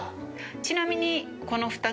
ちなみに。